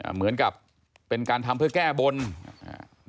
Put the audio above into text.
เหมือนกับเป็นการทำเพื่อแก้บนอ่า